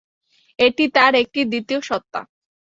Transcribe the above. এটি তার একটি দ্বিতীয় সত্তা।